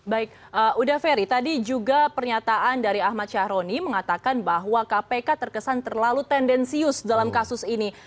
baik uda ferry tadi juga pernyataan dari ahmad syahroni mengatakan bahwa kpk terkesan terlalu tendensius dalam kasus ini